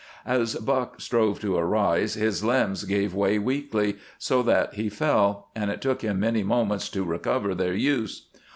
As Buck strove to arise, his limbs gave way weakly, so that he fell, and it took him many moments to recover their use.